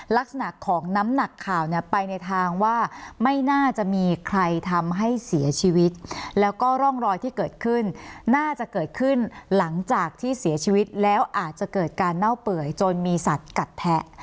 ลักษณะของน้ำหนักข่าวเนี่ยไปในทางว่าไม่น่าจะมีใครทำให้เสียชีวิตแล้วก็ร่องรอยที่เกิดขึ้นน่าจะเกิดขึ้นหลังจากที่เสียชีวิตแล้วอาจจะเกิดการเน่าเปื่อยจนมีสัตว์กัดแทะ